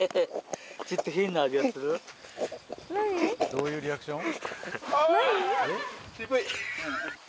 どういうリアクション？